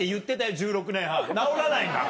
１６年半直らないんだから。